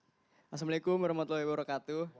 assalamu'alaikum warahmatullahi wabarakatuh